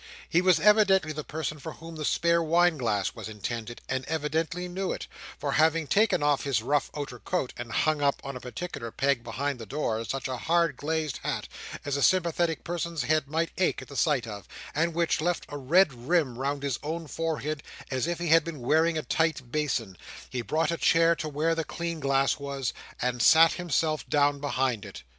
He was evidently the person for whom the spare wine glass was intended, and evidently knew it; for having taken off his rough outer coat, and hung up, on a particular peg behind the door, such a hard glazed hat as a sympathetic person's head might ache at the sight of, and which left a red rim round his own forehead as if he had been wearing a tight basin, he brought a chair to where the clean glass was, and sat himself down behind it.